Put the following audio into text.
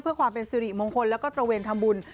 เพื่อความเป็นสิริมงคลแล้วก็ตระเวนทำบุญ